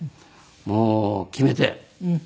もう決めて独立。